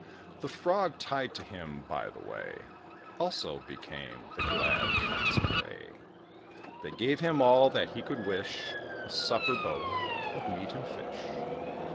The Frog tied to him, by the way, Also became the glad Kite's prey; They gave him all that he could wish, A supper both of meat and fish.